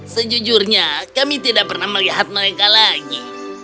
sejujurnya kami tidak pernah melihat mereka lagi